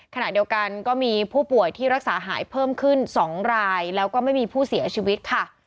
ขณะเดียวกันก็มีผู้ป่วยที่รักษาหายเพิ่มขึ้น๒รายแล้วก็ไม่มีผู้เสียชีวิตค่ะ